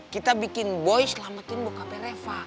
kita bikin boy selamatin bocape reva